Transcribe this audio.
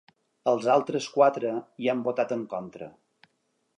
Els altres quatre hi han votat en contra.